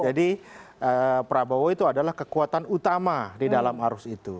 jadi prabowo itu adalah kekuatan utama di dalam arus itu